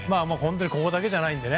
ここだけじゃないのでね。